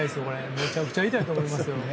めちゃくちゃ痛いと思いますよ。